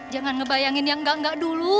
jangan ngebayangin yang gak dulu